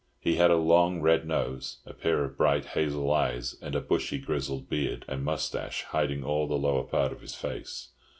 He had a long, red nose, a pair of bright hazel eyes, and a bushy, grizzled beard and moustache hiding all the lower part of his face.